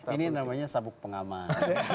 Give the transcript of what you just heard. ini namanya sabuk pengaman